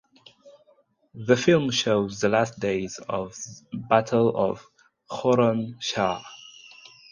The film shows the last days of battle of Khorramshahr.